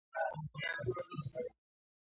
შემოსილია მაღალმთის მდელოს მცენარეულობით.